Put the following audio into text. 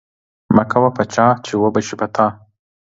مه کوه په چا، چی وبه شي په تا